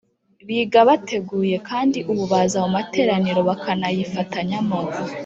Biga bateguye kandi ubu baza mu materaniro bakanayifatanyamo